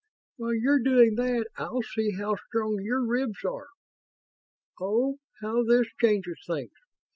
"While you're doing that I'll see how strong your ribs are. Oh, how this changes things!